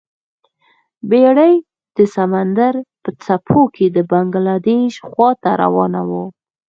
بیړۍ د سمندر په څپو کې بنګلادیش خواته روانه وه.